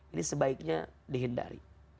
ini sebaiknya dihindari